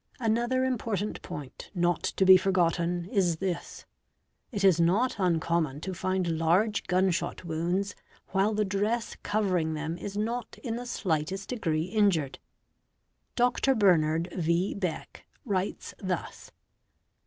Another important point, not to be forgotten, 1s this; it is not uncommon to find large gun shot wounds, while the dress covering them is not in the slightest degree injured. Dr. Bernard v. Beck writes thus.